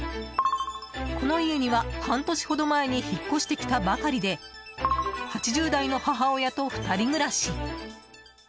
この家には半年ほど前に引っ越してきたばかりで８０代の母親と２人暮らし。